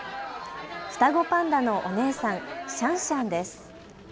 双子パンダのお姉さん、シャンシャンです。